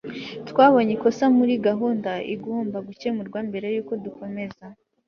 Twabonye ikosa muri gahunda igomba gukemurwa mbere yuko dukomeza